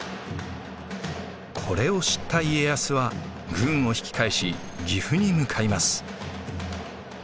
これを知った家康は軍を引き返し岐阜に向かいます。